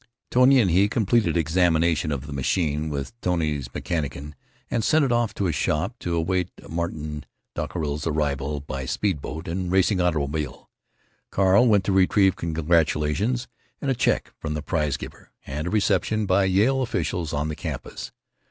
Tony and he completed examination of the machine, with Tony's mechanician, and sent it off to a shop, to await Martin Dockerill's arrival by speed boat and racing automobile. Carl went to receive congratulations—and a check—from the prize giver, and a reception by Yale officials on the campus.